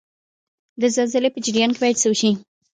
د زلزلې په جریان کې باید څه وشي؟